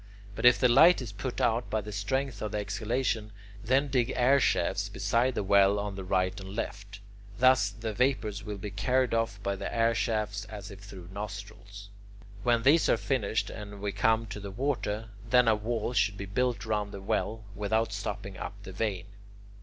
But if the light is put out by the strength of the exhalation, then dig air shafts beside the well on the right and left. Thus the vapours will be carried off by the air shafts as if through nostrils. When these are finished and we come to the water, then a wall should be built round the well without stopping up the vein.